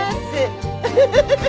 フフフフフ！